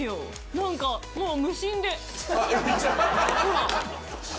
何かもう無心で。